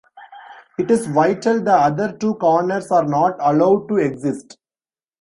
It is vital the other two corners are not allowed to exist.